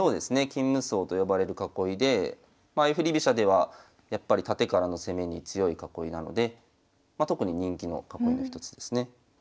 金無双と呼ばれる囲いでまあ相振り飛車ではやっぱりタテからの攻めに強い囲いなので特に人気の囲いの一つですね。